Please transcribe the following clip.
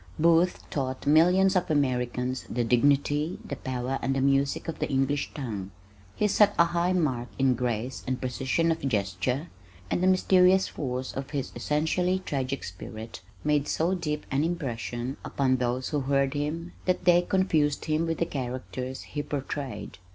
Booth taught millions of Americans the dignity, the power and the music of the English tongue. He set a high mark in grace and precision of gesture, and the mysterious force of his essentially tragic spirit made so deep an impression upon those who heard him that they confused him with the characters he portrayed.